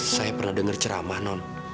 saya pernah dengar ceramah non